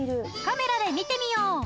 カメラで見てみよう！